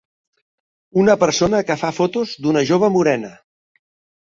Una persona que fa fotos d'una jove morena.